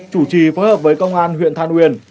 chủ trì phối hợp với công an huyện than uyên